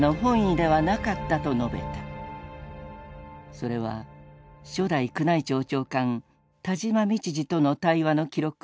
それは初代宮内庁長官田島道治との対話の記録